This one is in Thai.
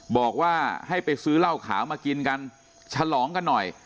บอกว่าให้ไปซื้อเหล้าขาวมากินกันฉลองกันหน่อย